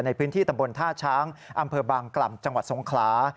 ในพื้นที่ตำบลท่าช้างอำเภอบางกล่ำจังหวัดสงขลา